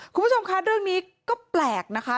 คุณผู้ชมคะเรื่องนี้ก็แปลกนะคะ